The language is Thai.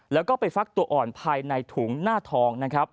แล้วก็ไปฟักตัวอ่อนภายในถุงหน้าท้อง